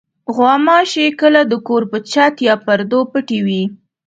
غوماشې کله د کور په چت یا پردو پټې وي.